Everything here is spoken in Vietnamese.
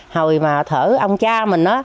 hồi mà thở ông cha mình á